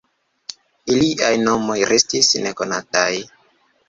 Iliaj nomoj restis nekonataj.